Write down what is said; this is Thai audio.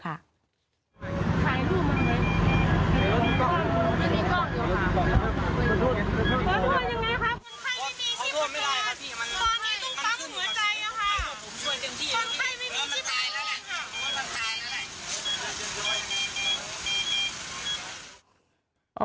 ไม่ว่าผมช่วยเจ้าพี่แล้วมันตายแล้วแหละ